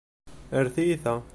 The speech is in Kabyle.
Err tiyita.